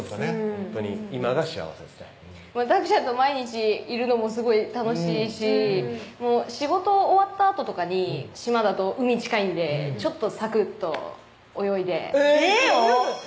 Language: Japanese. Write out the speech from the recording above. ほんとに今が幸せですねたくちゃんと毎日いるのもすごい楽しいし仕事終わったあととかに島だと海近いんでちょっとさくっと泳いでえぇっ行くの？